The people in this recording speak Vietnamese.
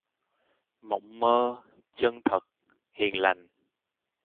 Mộng mơ, chân thật, hiền lành